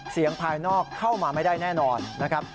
ภายนอกเข้ามาไม่ได้แน่นอนนะครับ